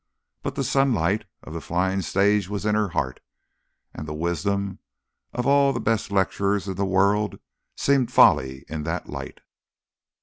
But the sunlight of the flying stage was in her heart, and the wisdom of all the best lecturers in the world seemed folly in that light.